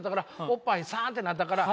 おっぱいさんってなったから。